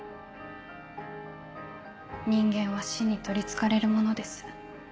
人間は死に取り憑かれるものです。